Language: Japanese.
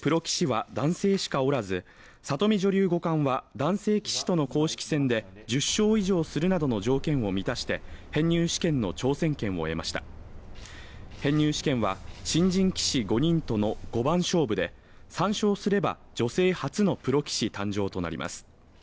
これまでプロ棋士は男性しかおらず里見女流五冠は男性棋士との公式戦で１０勝以上するなどの条件を満たして編入試験の挑戦権を得ました編入試験は新人棋士５人との５番勝負で参照すれば女性初のプロ棋士誕生となります